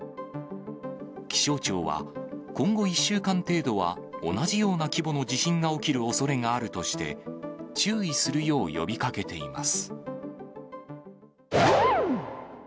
気象庁は、今後１週間程度は、同じような規模の地震が起きるおそれがあるとして、注意するよう呼びかけています。